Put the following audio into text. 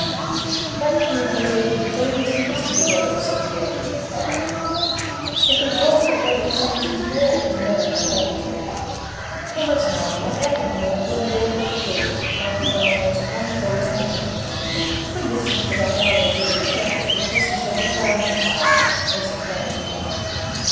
"That food was eaten thirty seasons ago," said the Adjutant quietly. "If we talk for thirty seasons more it will never come back. Tell us, now, what happened when the good waters were reached after thy most wonderful land journey. If we listened to the howling of every jackal the business of the town would stop, as the saying is."